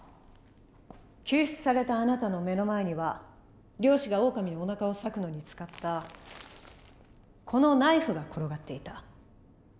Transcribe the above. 救出されたあなたの目の前には猟師がオオカミのおなかを裂くのに使ったこのナイフが転がっていた。